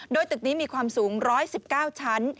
โดยตึกนี้มีความสูง๑๑๙ชั้น